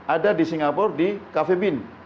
ada di singapura di cafe bin